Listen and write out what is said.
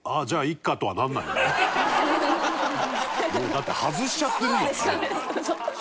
だって外しちゃってるもん。